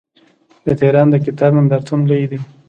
د تهران د کتاب نندارتون لوی دی.